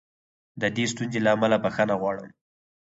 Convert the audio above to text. د دې ستونزې له امله بښنه غواړم.